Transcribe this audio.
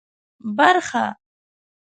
برخه